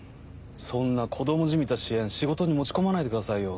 そんな子供じみた私怨仕事に持ち込まないでくださいよ。